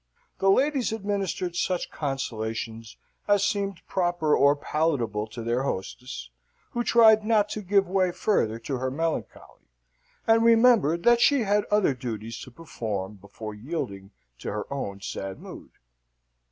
The ladies administered such consolations as seemed proper or palatable to their hostess, who tried not to give way further to her melancholy, and remembered that she had other duties to perform, before yielding to her own sad mood.